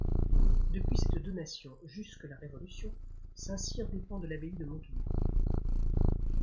Depuis cette donation, jusque la Révolution, Saint-Cyr dépend de l'abbaye de Montebourg.